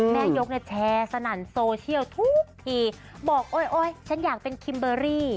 แม่ยกแชร์สนันโซเชียลทุกทีบอกโอ๊ยฉันอยากเป็นคิมเบอร์รี่